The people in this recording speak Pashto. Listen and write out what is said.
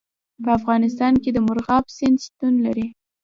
په افغانستان کې د مورغاب سیند شتون لري.